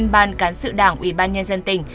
ban cán sự đảng ubnd tỉnh